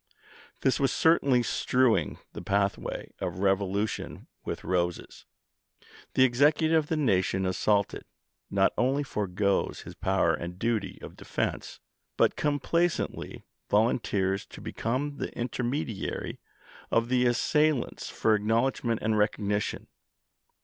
This was certainly strewing the pathway of rev olution with roses. The Executive of the nation assaulted, not only foregoes his power and duty of defense, but complacently volunteers to become the intermediary of the assailants for acknowledgment and recognition.